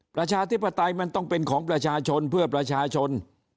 ประชาธิปไตยมันต้องเป็นของประชาชนเพื่อประชาชน